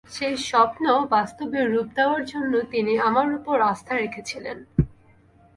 সেই স্বপ্ন বাস্তবে রূপ দেওয়ার জন্য তিনি আমার ওপর আস্থা রেখেছিলেন।